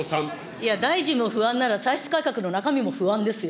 いや、大臣も不安なら、歳出改革の中身を不安ですよ。